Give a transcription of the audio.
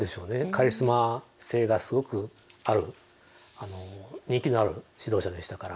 カリスマ性がすごくある人気のある指導者でしたから。